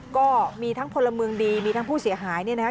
ก็มีทั้งพลเมืองดีมีทั้งผู้เสียหายเนี่ยนะครับ